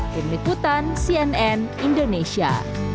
pemikutan cnn indonesia